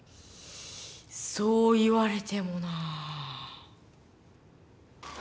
そう言われてもなあ。